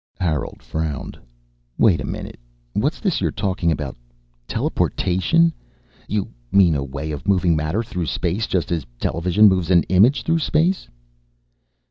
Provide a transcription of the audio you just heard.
Harold frowned. "Wait a minute. What's this you're talking about teleportation? You mean a way of moving matter through space, just as television moves an image through space?"